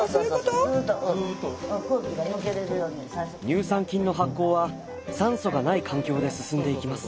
乳酸菌の発酵は酸素がない環境で進んでいきます。